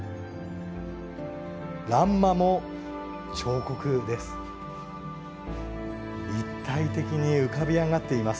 欄間も彫刻です。